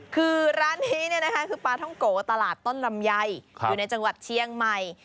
คือร้านนี้คือปลาท่องโกตลาดต้นลำไยอยู่ในจังหวัดเชียงใหม่